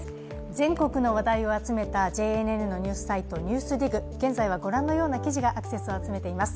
全国の話題を集めたＪＮＮのニュースサイト「ＮＥＷＳＤＩＧ」、現在はご覧のような記事がアクセスを集めています。